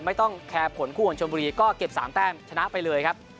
ไม่ต้องแคร์ผลคู่ของชมบุรีก็เก็บ๓แต้มชนะไปเลยครับ